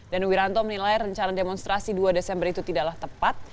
dan wiranto menilai rencana demonstrasi dua desember itu tidaklah tepat